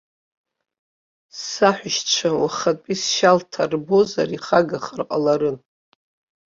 Саҳәшьцәа уахатәи сшьалҭа рбозар, ихагахар ҟаларын.